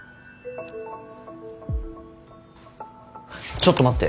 ちょっと待って。